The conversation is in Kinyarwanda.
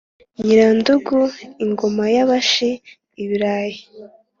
Nyiranduguru ingoma y'abashi-Ibirayi.